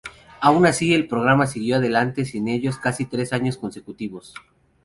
Aun así, el programa siguió adelante sin ellos casi tres años consecutivos.